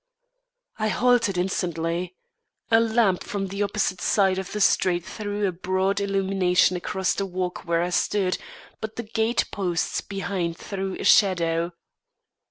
I halted instantly. A lamp from the opposite side of the street threw a broad illumination across the walk where I stood, but the gate posts behind threw a shadow.